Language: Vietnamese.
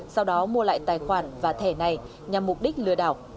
sau đó mua lại tài khoản và thẻ này nhằm mục đích lừa đảo